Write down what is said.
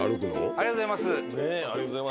ありがとうございます。